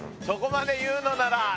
そこまで言うのなら。